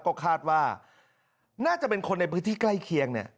ก็คาดว่าน่าจะเป็นคนในพื้นที่ใกล้เคียงเนี่ย